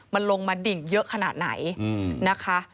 มันลงมาดิ่งเยอะขนาดไหนนะคะ